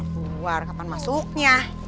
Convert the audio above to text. keluar kapan masuknya